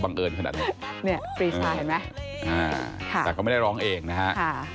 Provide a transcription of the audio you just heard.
เนี่ยฟรีสไทล์เห็นไหมค่ะแต่ก็ไม่ได้ร้องเองนะฮะ